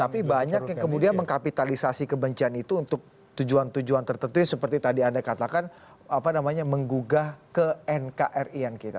tapi banyak yang kemudian mengkapitalisasi kebencian itu untuk tujuan tujuan tertentu seperti tadi anda katakan menggugah ke nkri an kita